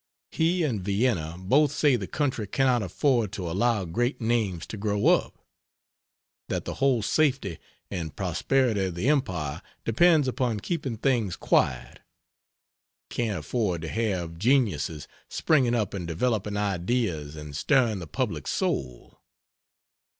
He and Vienna both say the country cannot afford to allow great names to grow up; that the whole safety and prosperity of the Empire depends upon keeping things quiet; can't afford to have geniuses springing up and developing ideas and stirring the public soul.